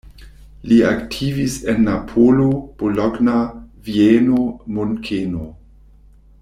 Li aktivis en Napolo, Bologna, Vieno, Munkeno.